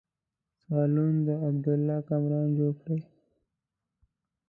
سالون د عبدالله کامران جوړ کړی.